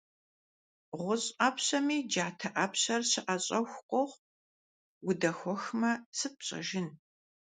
ГъущӀ Ӏэпщэми джатэ Ӏэпщэр щыӀэщӀэху къохъу: удэхуэхмэ, сыт пщӀэжын?